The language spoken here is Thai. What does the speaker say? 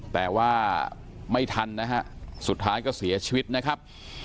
แต่ว่าไม่ทันนะฮะสุดท้ายก็เสียชีวิตนะครับ